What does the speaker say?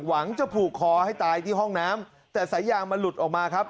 หวังจะผูกคอให้ตายที่ห้องน้ำแต่สายยางมันหลุดออกมาครับ